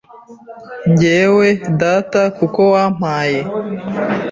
Jyewe 'Data kuko wampaye